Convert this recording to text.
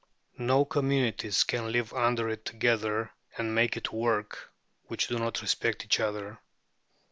No communities can live under it together and make it work which do not respect each other.